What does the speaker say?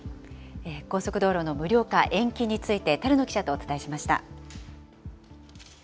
高速道路の無料化延期について、樽野記者とお伝えしました。